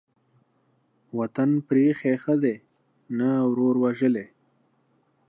وطن پرې ايښى ښه دى ، نه ورور وژلى.